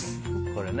これね。